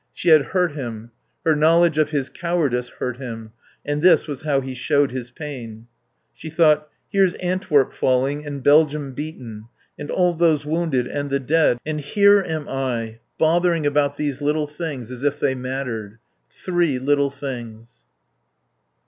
She had hurt him; her knowledge of his cowardice hurt him; and this was how he showed his pain. She thought: Here's Antwerp falling and Belgium beaten. And all those wounded. And the dead.... And here am I, bothering about these little things, as if they mattered. Three little things.